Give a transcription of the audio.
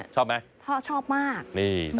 ชอบไหม